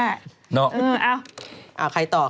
อ้าวใครตอบ